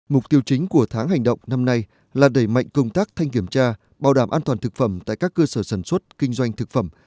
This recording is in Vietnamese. mục tiêu chính của tháng hành động năm nay là đẩy mạnh công tác thanh kiểm tra bảo đảm an toàn thực phẩm tại các cơ sở sản xuất kinh doanh thực phẩm